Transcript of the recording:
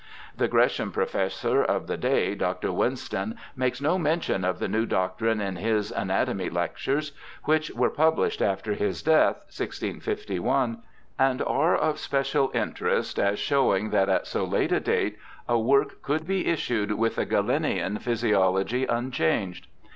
The Gresham Professor of the day. Dr. Winston, makes no mention of the new doctrine in his Anatomy Z^c/wr<?5 which were published after his death, 1651, and are of special interest as showing that at so late a date a work could be issued with the Galenian physiology unchanged.